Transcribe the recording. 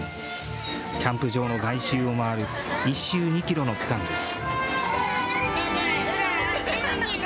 キャンプ場の外周を回る１周２キロの区間です。